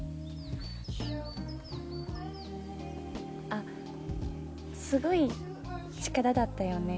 あっすごい力だったよね。